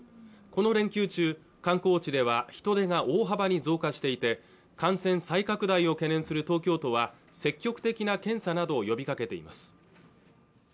この連休中観光地では人出が大幅に増加していて感染再拡大を懸念する東京都は積極的な検査などを呼びかけています